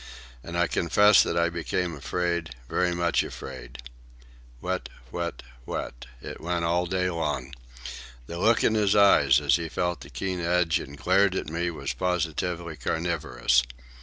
And I confess that I became afraid, very much afraid. Whet, whet, whet, it went all day long. The look in his eyes as he felt the keen edge and glared at me was positively carnivorous.